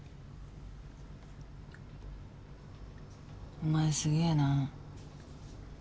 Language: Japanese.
お前すげぇな。